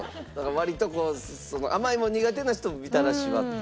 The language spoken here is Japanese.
割とこう甘いもの苦手な人もみたらしはっていう。